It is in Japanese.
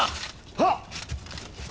はっ！